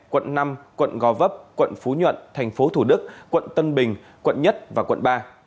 quận năm quận gò vấp quận phú nhuận tp thủ đức quận tân bình quận một và quận ba